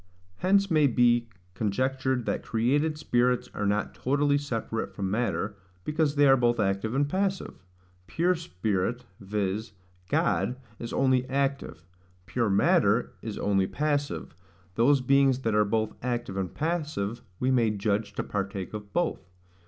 Hence may be conjectured that created spirits are not totally separate from matter, because they are both active and passive. Pure spirit, viz. God, is only active; pure matter is only passive; those beings that are both active and passive, we may judge to partake of both.